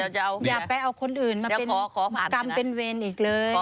อย่าไปเอาคนอื่นมากำเป็นเวรอีกเลย